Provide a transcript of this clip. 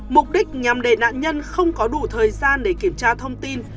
mục đích nhằm để nạn nhân không có đủ thời gian để kiểm tra thông tin